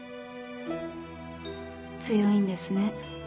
強いんですね。